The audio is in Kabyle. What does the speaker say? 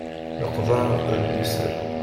Leqder d liser.